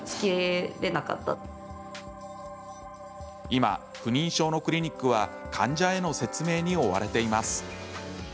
今、不妊症のクリニックは患者への説明に追われています。